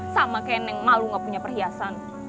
sama kayak neng malu nggak punya perhiasan